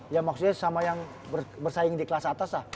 ya maksudnya sama yang bersaing di kelas atas lah